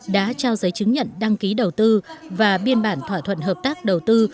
đã trao giấy chứng nhận đăng ký đầu tư và biên bản thỏa thuận hợp tác đầu tư